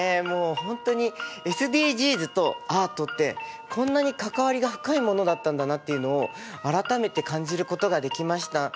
もう本当にＳＤＧｓとアートってこんなに関わりが深いものだったんだなっていうのを改めて感じることができました。